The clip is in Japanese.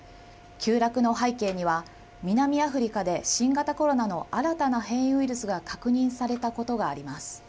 急落の背景には南アフリカで新型コロナの新たな変異ウイルスが確認されたことがあります。